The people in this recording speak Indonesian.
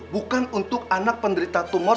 bukan untuk anak penderita tumor seperti ini